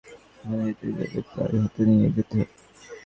ওখানে যেতে গেলে প্রাণ হাঁতে নিয়েই যেতে হবে।